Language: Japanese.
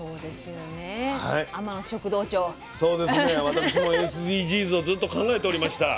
私もＳＤＧｓをずっと考えておりました。